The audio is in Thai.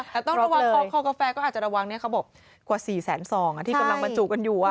แต่ต้องระวังคอกาแฟก็อาจจะระวังเนี่ยเขาบอกกว่า๔แสนซองที่กำลังบรรจุกันอยู่